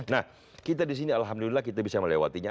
nah kita di sini alhamdulillah kita bisa melewatinya